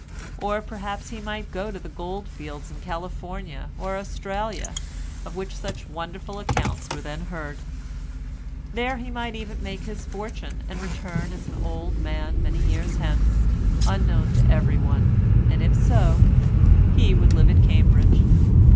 Or perhaps he might go to the gold fields in California or Australia, of which such wonderful accounts were then heard; there he might even make his fortune, and return as an old man many years hence, unknown to everyone, and if so, he would live at Cambridge.